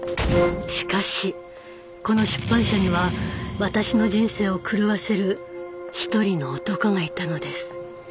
しかしこの出版社には私の人生を狂わせる一人の男がいたのです。